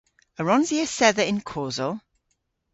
A wrons i esedha yn kosel?